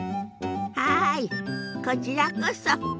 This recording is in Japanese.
はいこちらこそ。